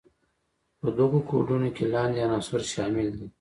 په دغو کودونو کې لاندې عناصر شامل دي.